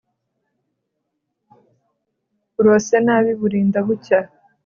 Urose nabi burinda bucya.